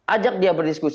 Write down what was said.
ajak dia berdiskusi